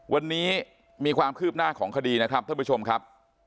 วันนี้มีความคืบหน้าของคดีนะครับท่านผู้ชมครับ